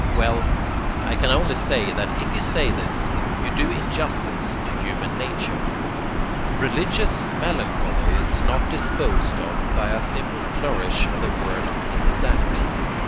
Well, I can only say that if you say this, you do injustice to human nature. Religious melancholy is not disposed of by a simple flourish of the word insanity.